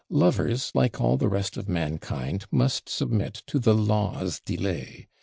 Lovers, like all the rest of mankind, must submit to the law's delay.